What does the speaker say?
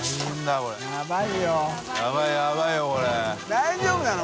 大丈夫なの？